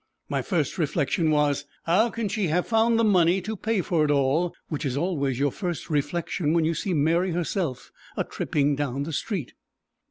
My first reflection was, How can she have found the money to pay for it all! which is always your first reflection when you see Mary herself a tripping down the street.